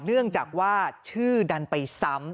เนื่องจากว่าชื่อดันไปซ้ำ